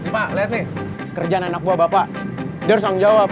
pak lihat nih kerjaan anak buah bapak dia harus tanggung jawab